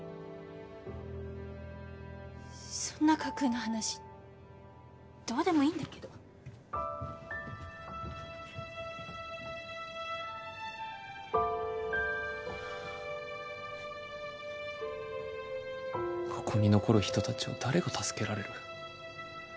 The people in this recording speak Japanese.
そんな架空の話どうでもいいんだけどここに残る人たちを誰が助けられる？